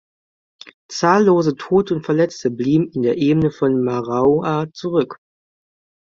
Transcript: Zahllose Tote und Verletzte blieben in der Ebene von Maroua zurück.